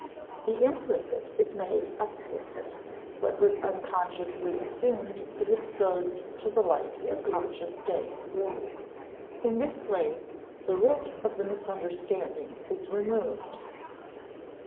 The implicit is made explicit; what was unconsciously assumed is exposed to the light of conscious day. In this way, the root of the misunderstanding is removed.